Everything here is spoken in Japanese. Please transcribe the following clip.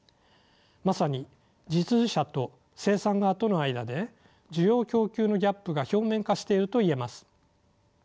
まさに実需者と生産側との間で需要供給のギャップが表面化していると言えます。